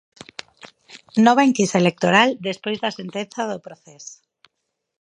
Nova enquisa electoral despois da sentenza do Procés.